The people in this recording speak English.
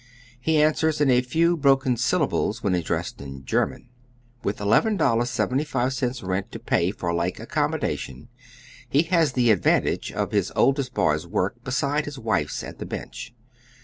He answers in a few broken syllables when ad . dressed in German. With $11.75 rent to pay for hbe ac commodation, he has tiie advantage of his oldest boy's work besides his wife's at the bench.